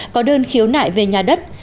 có đơn khiếu nại về nhà đất